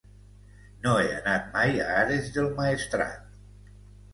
No he anat mai a Ares del Maestrat.